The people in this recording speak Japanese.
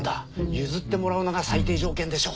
譲ってもらうのが最低条件でしょ。